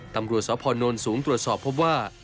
ตำรวจสพนสูงตรวจสอบพบว่า